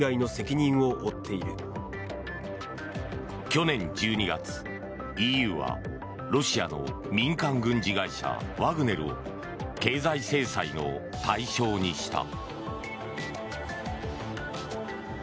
去年１２月、ＥＵはロシアの民間軍事会社ワグネルを経済制裁の対象にした。